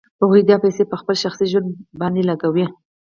هغوی دا پیسې په خپل شخصي ژوند باندې لګوي